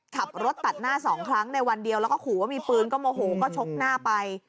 ขับรถตัดหน้าสองครั้งในวันเดียวแล้วก็ขู่ว่ามีปืนก็โมโหก็ชกหน้าไป